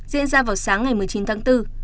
diễn ra vào sáng ngày một mươi chín tháng bốn